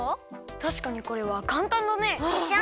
たしかにこれはかんたんだね。でしょ？